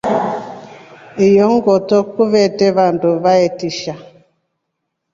Iyo ngoto kuvetre vandu vatrisha.